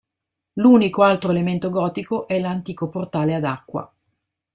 L'unico altro elemento gotico è l'antico portale ad acqua.